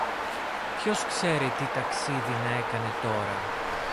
Ποιος ξέρει τι ταξίδι να έκανε τώρα